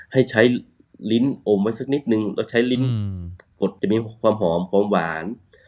ให้ใช้ลิ้นอมไว้สักนิดนึงแล้วใช้ลิ้นกดจะมีความหอมความหวาน